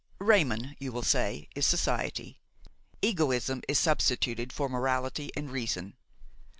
Raymon, you will say, is society; egoism is substituted for morality and reason.